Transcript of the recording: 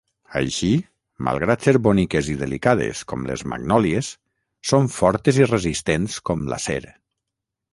Així, malgrat ser boniques i delicades com les magnòlies, són fortes i resistents com l'acer.